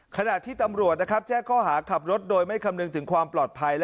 ขณะที่ตำรวจนะครับแจ้งข้อหาขับรถโดยไม่คำนึงถึงความปลอดภัย